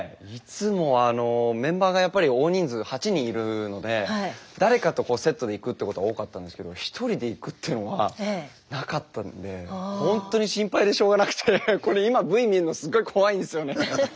いつもあのメンバーがやっぱり大人数８人いるので誰かとこうセットで行くってことが多かったんですけどひとりで行くっていうのはなかったのでほんとに心配でしょうがなくてこれ今Ｖ見んのすごい怖いんですよね。